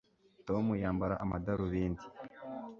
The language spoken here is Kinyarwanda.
Tom yambara amadarubindi